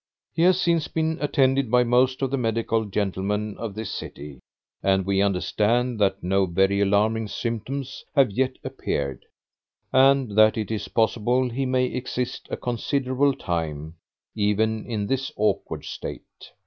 He has since been attended by most of the medical gentlemen of this city; and we understand that no very alarming symptoms have yet appeared, and that it is possible he may exist a considerable time, even in this awkward state.